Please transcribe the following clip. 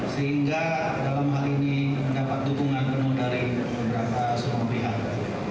sehingga dalam hal ini mendapat dukungan penuh dari beberapa semua pihak